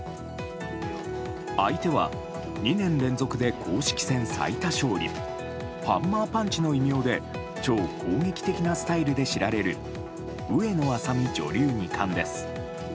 相手は２年連続で公式戦最多勝利ハンマーパンチの異名で超攻撃的なスタイルで知られる上野愛咲美女流二冠です。